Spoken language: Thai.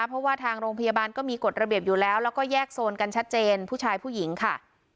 เพราะว่าทางโรงพยาบาลก็มีกฎระเบียบอยู่แล้วแล้วก็แยกโซนกันชัดเจนผู้ชายผู้หญิงค่ะ